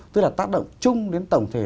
tức là tác động chung đến tổng thể